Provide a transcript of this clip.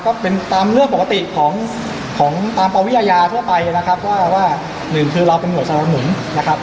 ก็เป็นตามเรื่องปกติของของตามปราวิยายาทั่วไปนะครับว่าว่าหนึ่งคือเราเป็นหน่วยชาวละหมุนนะครับ